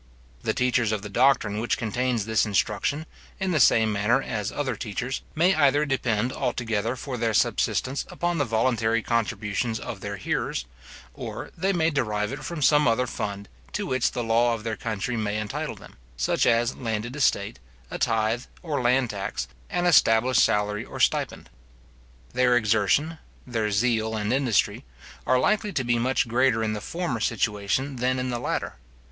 The teachers of the doctrine which contains this instruction, in the same manner as other teachers, may either depend altogether for their subsistence upon the voluntary contributions of their hearers; or they may derive it from some other fund, to which the law of their country may entitle them; such as a landed estate, a tythe or land tax, an established salary or stipend. Their exertion, their zeal and industry, are likely to be much greater in the former situation than in the latter.